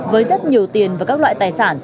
với rất nhiều tiền và các loại tài sản